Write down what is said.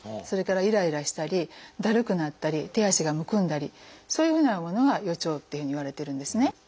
それからイライラしたりだるくなったり手足がむくんだりそういうふうなものが「予兆」っていうふうにいわれているんですね。